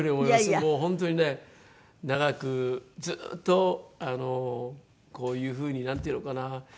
もう本当にね長くずっとこういう風になんていうのかな？